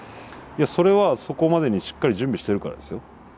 それはそこまでにしっかり準備しているからですよ。